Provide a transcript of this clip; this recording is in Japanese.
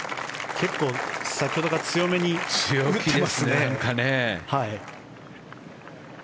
結構、先ほどから強めに打ってますね。